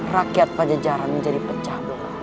rakyat pada jalan menjadi pecah